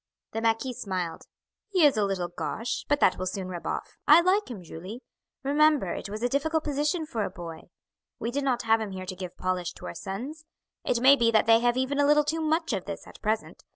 The marquis smiled. "He is a little gauche, but that will soon rub off. I like him, Julie. Remember it was a difficult position for a boy. We did not have him here to give polish to our sons. It may be that they have even a little too much of this at present.